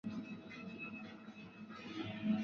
他也是广州中国大酒店的发展商之一。